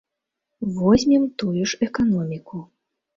Возьмем тую ж эканоміку.